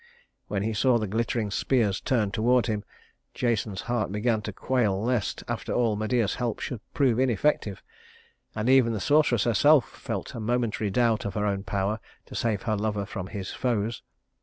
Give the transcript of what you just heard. When he saw the glittering spears turned toward him, Jason's heart began to quail lest, after all, Medea's help should prove ineffective; and even the sorceress herself felt a momentary doubt of her own power to save her lover from his foes.